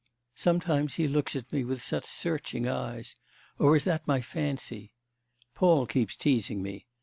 Sometimes he looks at me with such searching eyes or is that my fancy? Paul keeps teasing me.